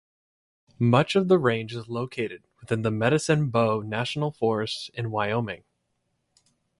Much of the range is located within the Medicine Bow National Forest in Wyoming.